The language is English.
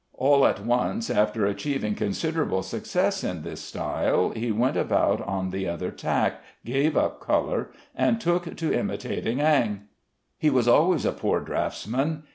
All at once (after achieving considerable success in this style) he went about on the other tack, gave up color, and took to imitating Ingres. He was always a poor draughtsman.